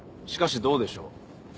しかしどうでしょう。